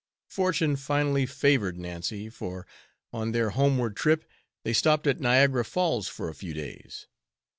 Fortune finally favored Nancy, for on their homeward trip they stopped at Niagara Falls for a few days.